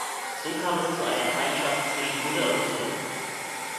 So kam es zu einer Feindschaft zwischen Mutter und Sohn.